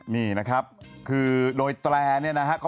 พี่หนุ่มก็รู้จัก